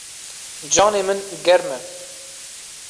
Canê min germ e.